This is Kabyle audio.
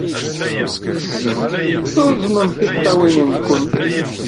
Zzimt, treẓmemt tiṭṭawin-nwent.